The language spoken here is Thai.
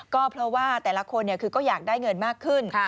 ก็เพราะว่าแต่ละคนคือก็อยากได้เงินมากขึ้น